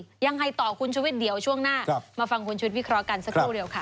เราก็ต้องไปต่อคุณชวิตเดี๋ยวช่วงหน้ามาฟังคุณชวิตวิเครากันสักครู่เดียวค่ะ